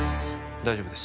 大丈夫です